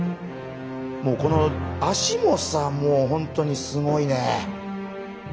もうこのあしもさもう本当にすごいね。